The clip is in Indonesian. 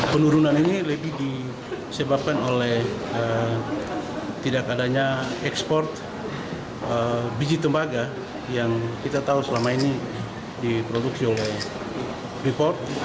penurunan ini lebih disebabkan oleh tidak adanya ekspor biji tembaga yang kita tahu selama ini diproduksi oleh freeport